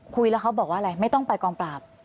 คุยแล้วเขาบอกว่าอะไรไม่ต้องไปกองปราบ